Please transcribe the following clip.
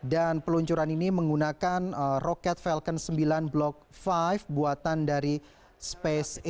dan peluncuran ini menggunakan roket falcon sembilan block lima buatan dari space delapan